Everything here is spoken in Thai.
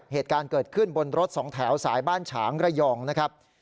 เหตุการณ์เกิดขึ้นบนรถสองแถวสายบ้านฉางระยองนะครับ